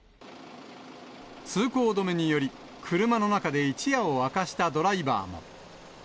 通行止めにより、車の中で一夜を明かしたドライバーも。